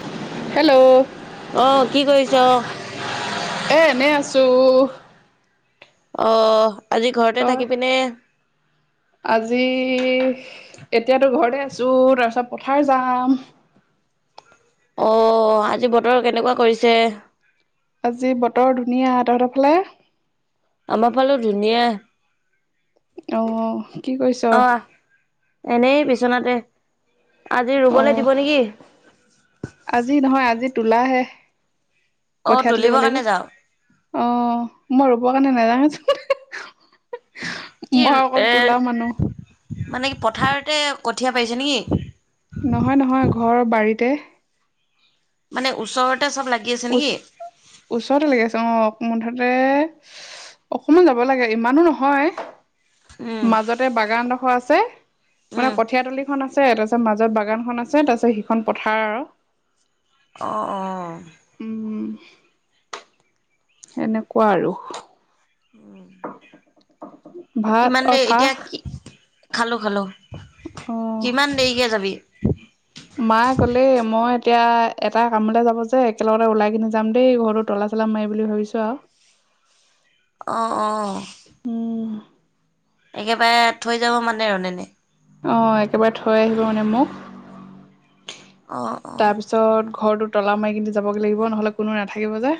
[inaudible] Hello, অ কি কৰিছ [inaudible] এ এনেই আছো। অ, আজি ঘৰতে তই থাকিবি নে? আজি এতিয়াতো ঘৰতে আছো তাৰছত পথাৰ যাম। অ, আজি বতৰ কেনেকুৱা কৰিছে? আজ্জিৰ বতৰ ধুনীয়া তহঁতৰ ফালে? আমাৰ ফালো ধুনীয়া। [unintelligible] কি কৈছ? অ এনেই বিচনাতে আজি অ ৰুবলে দিব নেকি? আজি নহয় আজি তোলাহে অ কঠিয়া তুলিব তুলিবৰ লাগিব। কাৰণে যাওঁ অ, মই ৰুৱ কাৰণে নেজাইনচ [unintelligible] কি এ মানুহ মানে কি পথাৰতে কঠীয়া পাৰিছে নেকি? নহয় -নহয় ঘৰ বাৰীতে। মানে ওচৰতে চব লাগি আছে ওচ নেকি? ওচৰতে লাগি আছে অ, মুঠতে অকমান যাব লাগে ইমানো নহয়। উম মাজতে বাগানডোখৰ আছে মানে উম কঠিয়া তলিখনত আছে তাৰছত মাজত বাগানখন আছে তাৰপিছত সিখন পথাৰ আৰু। অ', অ', উম, সেনেকুৱা আৰু। উম, ভাত কিমান অ দেৰি চাহ এতিয়া কি খালো -খালো অ কিমান দেৰিকে যাবি? মায়ে ক'লে মই এতিয়া এটা কামলে যাব যে একেলগতে ওলাই কিনি যাম দেই ঘ [unintelligible] তলা চলা মাৰিবলে ভাবিছোঁ আও। অ', অ', একেবাৰে থৈ যাব মানে ৰনেনে। অ, একেবাৰে থৈ আহিব মানে মোক। অ। অ তাৰপিছত ঘৰটো তলা মাৰি কিন্তু যাবগৈ লাগিব নহ'লে কোনো নাথাকিব যে।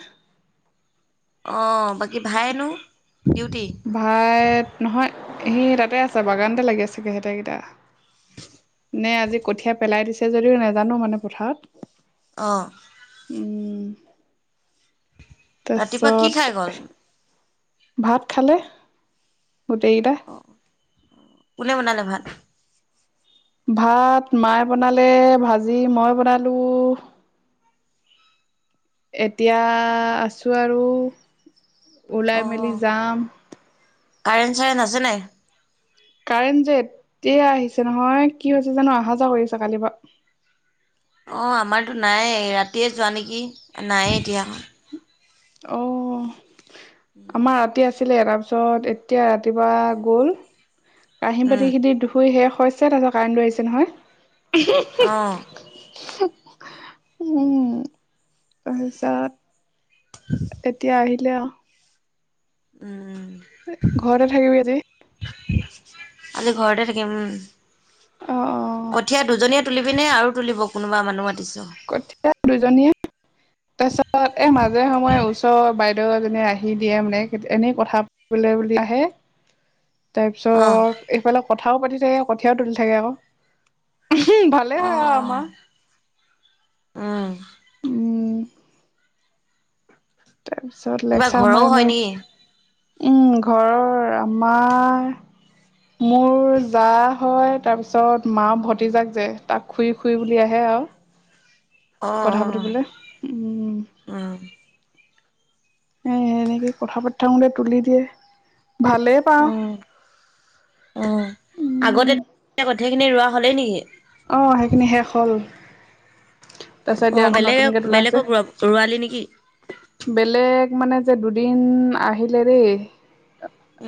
অঁ বাকী ভাইেনো ডিউটি। ভাইট নহয় সি তাতে আছে বাগানতে লাগি আছেগে সেতেকেইটা। নে আজি কঠিয়া পেলাই দিছে যদিও নেজানো মানে পথাৰত। অহ', ৰাতিপুৱা কি তাছত খাই গ'ল? এ ভাত খালে গোটেইকেইটা? অ কোনে বনালে ভাত? ভাত মায়ে বনালে ভাজি মই বনালোঁ। এতিয়া আছোঁ আৰু। ওলাই অঁ মেলি যাম কাৰেণ্ট চাৰেণ্ট আছে নাই? কাৰেণ্ট যে এতিয়া আহিছে নহয় কি হৈছে জানো অহা যোৱা কৰি আছে কালিৰ পৰা। অঁ আমাৰতো নাই ৰাতিয়ে যোৱা নেকি নায়েই এতিয়া। অ আমাৰ ৰাতি আছে। আহিলে তাৰপিছত এতিয়া ৰাতিপুৱা গ'ল কাহি উম, বালিখিনি ধুই শুই শেষ হৈছে তাৰপিছত কাৰেণ্টো আহিছে নহয় উম হি অ' হি। উম তাৰপিছত [unintelligible] এতিয়া আহিলে আও। উম উম। ঘৰতে থাকিবি আজি? আজি ঘৰতে থাকিম উম। অ - অ। কঠীয়া দুজনীয়ে তুলিবি নে আৰু তুলিব কোনোবা মানুহ মাতিছ? কঠীয়া দুজনীয়ে তাৰপিছত এ মাজে সময়ে ওচ বাইদেউ এজনীয়ে আহি দিয়ে মানে এনেই কথা বোলে বোলি আহে। তাৰপিছ অ। এইফালে কথাও পাতি থাকে কঠীয়াও তুলি থাকে আক ভালে হয় আৰু অ', আমা৷ উম। উম তাৰপিছত কিবা লেকচা ঘৰও মায়ি হয় মায়ি নেকি? উম ঘৰৰ আমাৰ। মোৰ জা হয় তাৰপিছত মা ভতিজাক যে তাক খুই খুই বুলি আহে আও। অ', কথা অ', পাতিবলে উম। উম, এ এনেকে কথা পাতি থাকোঙতে তুলি দিয়ে। ভালেই পাওঁ অ। অঁ উম আগতে কঠিয়াখিনি ৰোৱা হ'লেই নেকি? অ সেইখিনি শেষ হ'ল। তাৰিছত অ এতিয়া আকৌ বেলেগ নতুনকে তোলা হৈছে। বেলেগক ৰোৱালি নেকি? বেলেগ মানে যে দুদিন আহিলে দেই।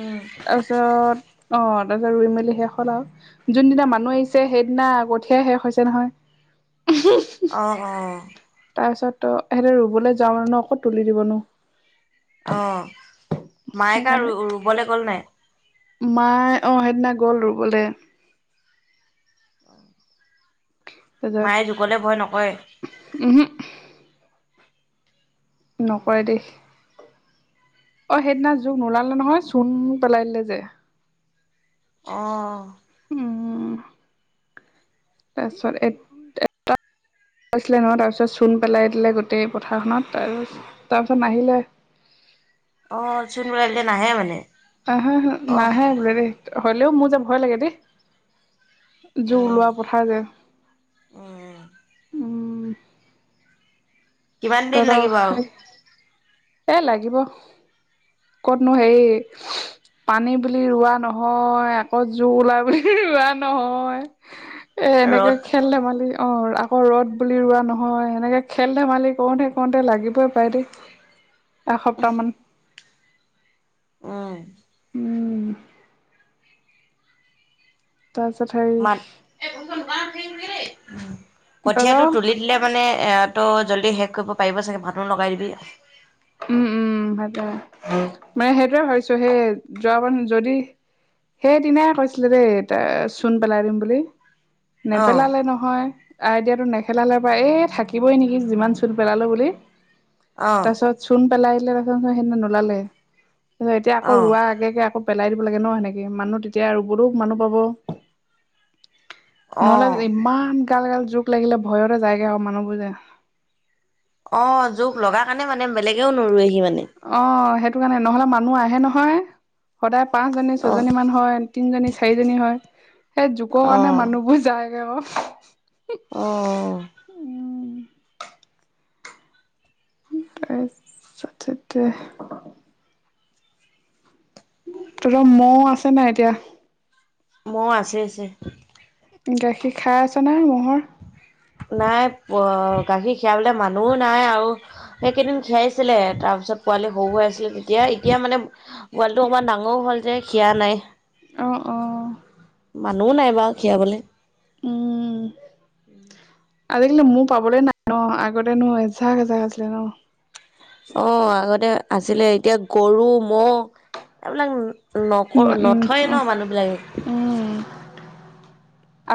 উম অ৷ তাপিছত ৰুই মেলি শেষ হ'ল আৰু যোনদিনা মানুহ আহিছে সেইদিনা কঠিয়াই শেষ হৈছে নহয়। অ-অ। তাৰপিছত ত হেতে ৰুবলৈ যাওঁ মানুহ ন কত তুলি দিব নো। অ মায়ে কা সেইকাৰণে ৰু ৰুবলে গ'ল নাই? মায়ে অ সেইদিনা গ'ল ৰুবলে। মায়ে জোকলে ভয় নকৰে? উহো। নকৰে দেই। অ সেইদিনা জোক নোলালে নহয় চোন পেলাই দিলে যে। অ। উম তাৰপিছত এত এটাত হৈছিলে নহ তাৰপিছত চূণ পেলাই দিলে গোটেই পথাৰখনত তাৰপিছত তাৰপিছত নাহিলে। অ চোন পেলাই দিলে নাহে মানে। অ হ হ অ নাহে বোলে দেই হলেও মোৰ যে ভয় লাগে দেই। জোক ওলোৱা পথাৰ যে। অ উম কিমান দিন তহত লাগিব সেই আৰু এ লাগিব। কতনো হেই পানী বুলি ৰোৱা নহয় আকৌ জোক ওলাই বুলি ৰোৱা নহয়। এ এনেকে ৰ'দ খেল ধেমালি অ আকৌ ৰ'দ বুলি ৰোৱা নহয় সেনেকে খেল ধেমালি। কৰোতে কৰোতে লাগিবই পাই দেই এসপ্তাহ মান। উম। উম। তাৰপিছত হেৰি এ বহীখন দোকানত থৈ আহিবিগে দেই, উম কঠীয়াটো তহঁতৰ তুলি লে মানে এ ত জল্দি শেষ কৰিব পাৰিব চাগে মানুহ লগাই দিবি। উম উম ভাতে মানে সেইটোয়ে ভাবিছো সেই যোৱাবাৰ যদি সেইদিনাই কৈছিলে দেই এ চূণ পেলাই দিম বুলি অ নেপেলালে ন হয় আইডিয়াটো নেখেলালে হপাই এই থাকিবই নেকি যিমান চূণ পেলালেও বুলি অ তাৰপিছত চূণ পেলাই আহিলে তাৰপিছত সেইদিনা নোলালে তাৰছত এতিয়া অ আকৌ ৰোৱা আগে আগে আকৌ পেলাই দিব লাগে ন সেনেকে মানুহ তেতিয়া ৰুবলো মানুহ পাব। অ নহ'লে ইমান গাল গাল জোক লাগিলে ভয়তে জায়গে ক মানুহবোৰ যে। অ জোক লগা কাৰণে মানে বেলেগেও নোৰোৱেহি মানে। অ সেইটো কাৰণে নহলে মানুহ আহে নহয় সদায় পাঁচজনী অ', ছয়জনী মান হয়। তিনজনী চাৰিজনী হয় সেই জোকৰ কাৰণে অ', মানুহবোৰ যায়গে ক। অ। তাৰছত সেইটোৱে তহত মও আছে নাই এতিয়া মহ আছে আছে। গাখীৰ খাই আছ না ম'হৰ। নাই অ গাখীৰ খীৰাবলে মানুহো নাই আৰু সেকেইদিন খীৰাইছিলে তাৰপিছত পোৱালি সৰু হৈ আছিলে তেতিয়া এতিয়া মানে পোৱালিটো অকমান ডাঙও হ'ল যে খিয়া নাই। অ অ মানুহও নাই বাও খীৰাবলে। উম উম আজিকালি মো পাবলৈ নাই ন আগতেনো এজাক এজাক আছিলে ন। অ আগতে আছিলে এতিয়া গৰু ম'হ এইবিলাক নক উম উম নথয়ে ন উম মানুহ বিলাকে। উম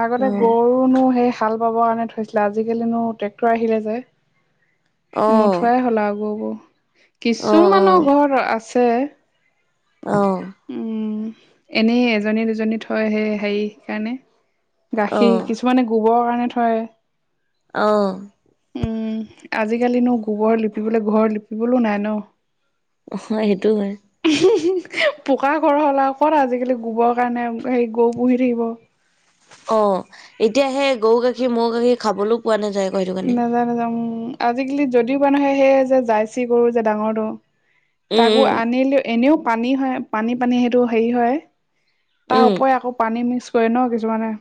আগতে অ', গৰুনো সেই হাল বাবৰ কাৰণে থৈছিলে আজিকালিনো ট্ৰেক্টৰ আহিলে যে। অ', নুথোৱাই হ'ল আও গৰুবো কিছুমানৰ অ', ঘৰত আছে, অ উম এনেই এজনী দুজনী থয় সে হেৰি কাৰণে অ', গাখীৰ অ', কিছুমানে গোবৰ কাৰণে থয় অ উম আজিকালিনো গোবৰ লিপিবলে ঘৰ লিপিবলো নাই ন। হয় সেইটো হয়। পকা ঘৰ হ'ল আও ক'ত আজিকালি গোবৰ কাৰণে সেই গৰু পুহি থাকিব। অ এতিয়া সেই গৰু গাখীৰ, ম'হ গাখীৰ খাবলৈও পোৱা নাযায়। আকৌ সেইটো কাৰণে। নাযায় নাযায় উম আজিকালি যদিও মানুহে সেয়ে যে জাৰ্চী গৰু যে ডাঙৰটো তাকো উম, উম, আনিলেও এনেও পানী হয় পানী পানী সেইটো হেৰি হয়, তাৰ উম, উপৰে আকৌ পানী মিক্স কৰে ন কিছুমানে,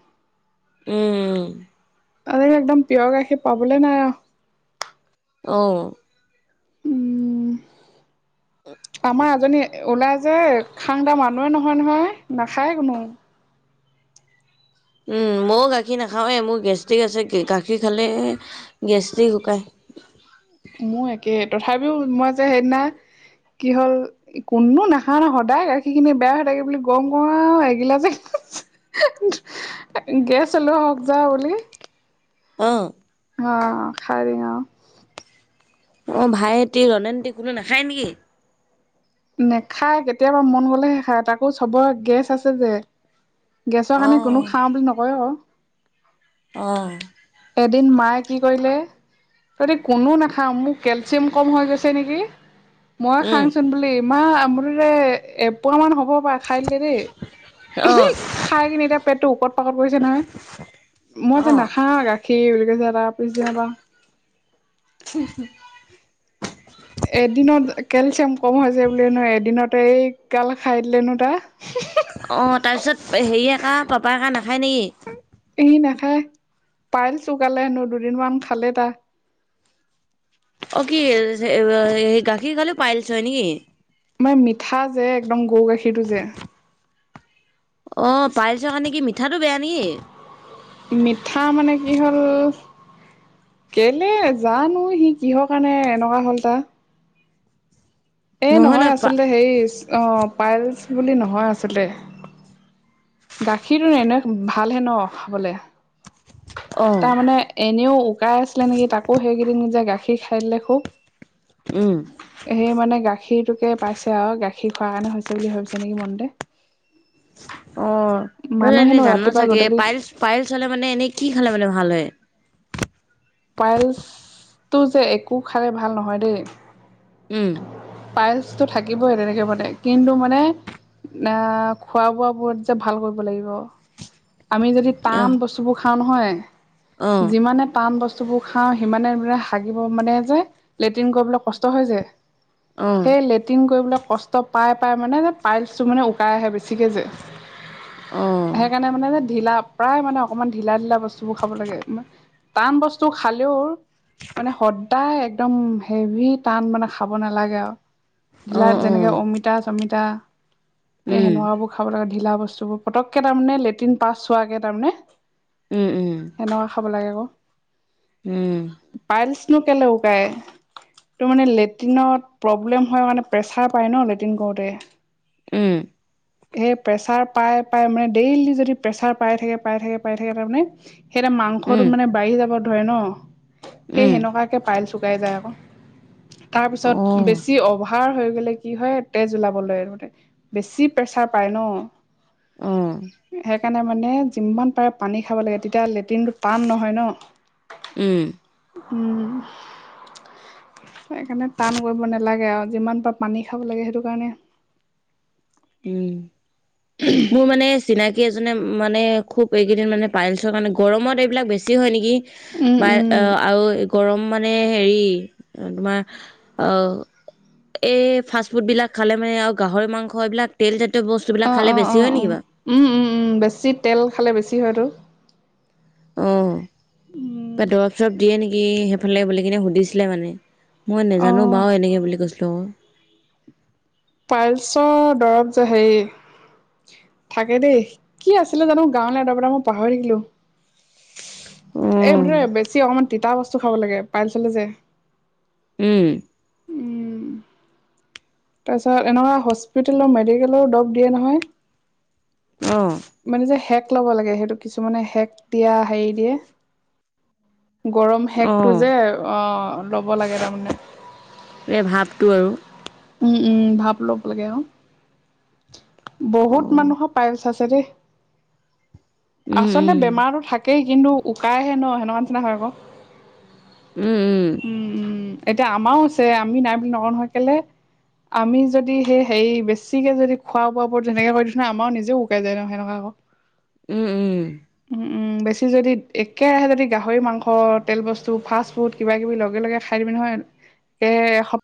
উম উম। আৰে একদম পিয়ৰ গাখীৰ পাবলৈ নাই অ। অ। উম আমাৰ এজনী ওলাই যে খাং তা মানুহৱে নহয় নহয় নাখায় কোনো। উম ময়ো গাখীৰ নাখাওঁৱে মোৰ গেষ্টিক আছে গাখীৰ খালে গেষ্ট্ৰিক শুকাই। মোৰ একেই তথাপিও মই যে সেইদিনা কি হ'ল। কোনো নাখায় না সদায় গাখীৰ খিনি বেয়া হৈ থাকে বুলি গম কও আও এগিলাচ এগিলাচ গেচ হলো হওক যা বুলি অ। হ খালে অ অ ভাইটি ৰণেনটি কোনো নাখায় নেকি? নেখাই কেতিয়াবা মন গ'লেহে খায় তাকো চবৰে গেছ আছে যে। গেছৰ কাৰণে কোনো অ', খাওঁ বুলি নকয় ক। অ। এদিন মায়ে কি কৰিলে। যদি কোনো নাখাওঁ মোক কেলচিয়াম কম হৈ গৈছে নেকি। মই উম, খাংচোন বুলি ইমা আমোততে এপুৱা মান হ'ব হপাই খাই দিলে দেই, অ', খাই কিনে এতিয়া পেটটো ওকত পাকত কৰিছে নহয়। মই যে অ'। নেখাং আ গাখীৰ বুলি কৈছে তাৰ পিছ দিনা পা। [unintelligible] এদিনত কেলচিয়াম কম হৈছে বুলি নো এদিনতে এই গাল খাই দিলেনো তা। অ তাৰ পিছত হেৰিয়েকা পাপাইকা নাখায় নেকি? এ হি নাখায়, পাইলচ উকালে হেনো দুদিনমান খালে তা। অ কি [unintelligible] গাখীৰ খালে পাইলচ হয় নেকি? মাই মিঠা যে একদম গৰু গাখীৰটো যে। অ পাইলচৰ কাৰনে কি মিঠাটো বেয়া নেকি? মিঠা মানে কি হ'ল কেলে জানো সি কিহৰ কাৰণে এনেকুৱা হ'ল তা। এই নহয় আচলতে হেই অ পাইলছ বুলি নহয় আচলতে গাখীৰটো এনে ভালহে ন খাবলে, অ'। তাৰমানে এনেও উকাই আছিলে নেকি তাকো সেইকেইদিন যে গাখীৰ খাই দিলে খুব। ওম। সেই মানে গাখীৰটোকে পাইছে আৰু গাখীৰ খোৱাৰ কাৰণে হৈছে বুলি ভাবিছে নেকি মনতে। অ তই এনে মানুহেনো জান ৰাতিপুৱা চাগে গধূলি পাইলচ পাইলছ হলে মানে এনেই কি খালে মানে ভাল হয়? পাইলছটো যে একো খালে ভাল নহয় দেই। উম। পাইলচটো থাকিবই তেনেকৈ মানে কিন্তু মানে না খোৱা বোৱা বোৰত যে ভাল কৰিব লাগিব। আমি যদি অ টান বস্তুবোৰ খাওঁ অ নহয় যিমানে টান বস্ত- বস্তুবোৰ খাওঁ সিমানে মানে হাগিব মানে যে লেট্ৰিন কৰিবলৈ কষ্ট হয় যে অ সেই লেটিন কৰিবলে কষ্ট ত পাই-পাই মানে পাইলচটো মানে উকাই আহে বেছিকে যে অ সেইকাৰণে মানে যে ঢিলা প্ৰায় মানে অকমান ঢিলা ঢিলা বস্তুবোৰ খাব লাগে টান বস্তু খালেও মানে সদায় একদম হেভি টান মানে খাব নালাগে আও৷ অ ঢিলা অ যেনেকে অমিতা চমিতা সেই উম সেনোৱাবোৰ৷ খাব লাগে ঢিলা বস্তুবোৰ পতকে তাৰমানে লেট্ৰিন পাছ হোৱা কে তাৰমানে। উম উম সেনেকুৱা খাব লাগে আক উম পাইলচ তঝ কেলৌ ওকায়। ত মানে লেট্ৰিনত প্ৰব্লেম হ কাৰণে প্ৰেচাৰ পাই ন লেট্ৰিন কৰোতে। উম। এই প্ৰেছাৰ পাই পাই মানে ডেইলি যদি প্ৰেচাৰ পাই থাকে পাই থাকে পাই থাকে তাৰমানে সেইটা মাংসটো উম মানে বাঢ়ি যাব ধৰে ন৷ সেই উম সেনেকুৱাকে পাইলচ শুকাই যায় আকৌ তাৰপিছত অহ বেছি অভাৰ অভাৰ হৈ গ'লে কি হয় তেজ ওলাবলে বেছি প্ৰেছাৰ পায় ন৷ অ সেইকাৰণে মানে যিমান পাৰে পানী খাব লাগে তেতিয়া লেট্ৰিনটো টান নহয় ন৷ ওম উম সেইকাৰণে টান কৰিব নালাগে আৰু যিমান পাৰে পানী খাব লাগে সেইটো কাৰণে৷ উম মোৰ মানে চিনাকি কেইজনে মানে খুব এইকেইদিন মানে পাইলছৰ কাৰণে গৰমত এইবিলাক বেছি হয় নেকি৷ উম বা উম অ আৰু গৰম মানে হেৰি তোমাৰ আহ এই ফাষ্ট ফুডবিলাক খালে মানে আৰু গাহৰি মাংস এইবিলাক তেলজাতীয় বস্তুবিলাক খালে বেছি হয় নেকি বাৰু? উম-উম-উম বেছি তেল খালে বেছি হয়তো৷ অহ উম কিবা দৰব চৰব দিয়ে নেকি সেইফালে কিনে সুধিছিলে মানে৷ মই অ নেজানো বাউ এনেকে বুলি কৈছিলোঁ অ৷ পাইলছৰ দৰব যে হেৰি থাকে দেই কি আছিলে জানো গাঁৱলিয়া দৰপ এটা মই পাহৰি থাকিলো৷ অ এই মুঠতে বেছি অকণমান তিতা বস্তু খাব লাগে পাইল হলে যে৷ উম তাৰ পিছত এনেকুৱা হস্পিতেলৰ মেডিকেলৰ দব দিয়ে নহয়৷ অ মানে যে সেক লব লাগে সেইটো কিছুমানে সেক দিয়া হেৰি দিয়ে গৰম সেকটো যে অ ল'ব লাগে তাৰমানে৷ এই ভাপটো আৰু৷ উম-উম ভাব ল'ব লাগে অ৷ বহুত অ', মানুহ পাইলচ আছে দেই৷ উম, আচলতে উম, বেমাৰো থাকেই কিন্তু উকাইহে ন সেনেকা নিচিনা হয় আকৌ৷ উম-উম উম-উম এতিয়া আমাও আছে আমি নাই বুলি নকওঁ নহয় কেলে আমি যদি সেই হেৰি বেছিকে যদি খোৱা বোৱাবোৰ তেনেকে কৰি দিচো ন আমাৰো নিজেও শুকাই য ন সেনেকা আকৌ৷ উম-উম উম উম বেছি যদি একেৰাহে যদি গাহৰি মাংস তেল বস্তু ফাষ্টফুড কিবা কিবি লগে লগে খা খাই দিবি নহয় এসপ